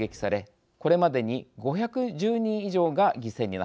これまでに５１０人以上が犠牲になっています。